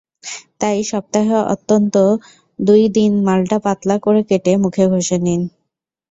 তাই সপ্তাহে অত্যন্ত দুই দিন মাল্টা পাতলা করে কেটে মুখে ঘষে নিন।